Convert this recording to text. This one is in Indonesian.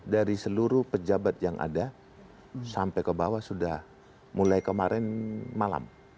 dari seluruh pejabat yang ada sampai ke bawah sudah mulai kemarin malam